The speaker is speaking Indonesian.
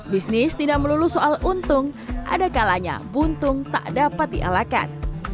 bisnis tidak melulu soal untung ada kalanya buntung tak dapat dialakan